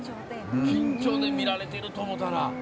緊張で見られてると思ったら。